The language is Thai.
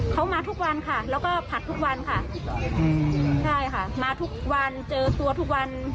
เขามาทุกวันค่ะแล้วก็ผัดทุกวันค่ะใช่ค่ะมาทุกวันเจอตัวทุกวัน